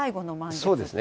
そうですね。